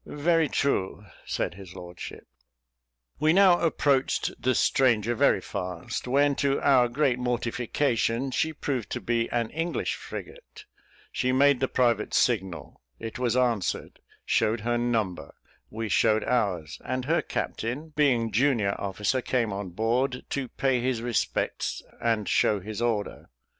"Very true," said his lordship. We now approached the stranger very fast, when, to our great mortification, she proved to be an English frigate; she made the private signal, it was answered; showed her number, we showed ours, and her captain being junior officer came on board, to pay his respects and show his order.